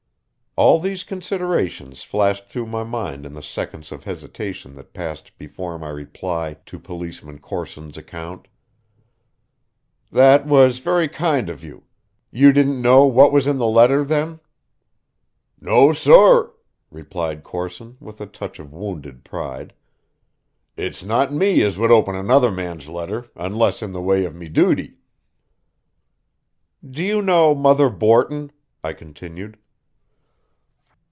All these considerations flashed through my mind in the seconds of hesitation that passed before my reply to Policeman Corson's account. "That was very kind of you. You didn't know what was in the letter then?" "No, sor," replied Corson with a touch of wounded pride. "It's not me as would open another man's letter, unless in the way of me duty." "Do you know Mother Borton?" I continued.